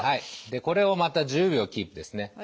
でこれをまた１０秒キープですね。